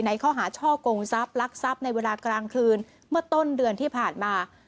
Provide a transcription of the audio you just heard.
ข้อหาช่อกงทรัพย์ลักทรัพย์ในเวลากลางคืนเมื่อต้นเดือนที่ผ่านมา